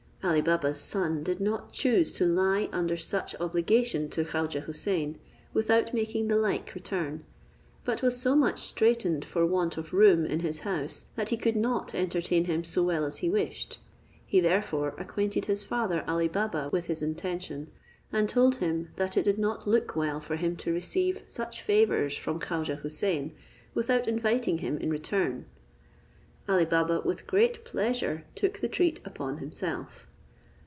Ali Baba's son did not choose to lie under such obligation to Khaujeh Houssain, without making the like return; but was so much straitened for want of room in his house, that he could not entertain him so well as he wished; he therefore acquainted his father Ali Baba with his intention, and told him that it did not look well for him to receive such favours from Khaujeh Houssain, without inviting him in return. Ali Baba, with great pleasure, took the treat upon himself.